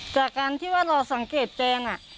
จากการที่ว่าเราสังเกตแจง